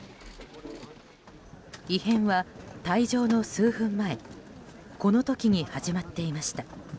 異変は、退場の数分前この時に始まっていました。